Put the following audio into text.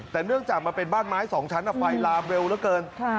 แต่เนื่องจากมันเป็นบ้านไม้๒ชั้นไฟลามเร็วเหลือเกิน